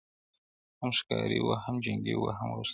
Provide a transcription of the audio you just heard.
هم ښکاري ؤ هم جنګي ؤ هم غښتلی,